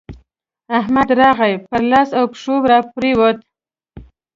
احمد راغی؛ پر لاس او پښو راپرېوت.